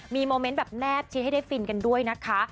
มีโมเมนต์แบบแนบชี้ให้ได้ฟินกันด้วยนะคะ